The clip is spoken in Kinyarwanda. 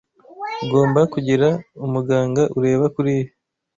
Ugomba kugira umuganga ureba kuriya.